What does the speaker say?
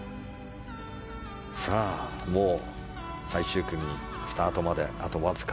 もう最終組スタートまで、あとわずか。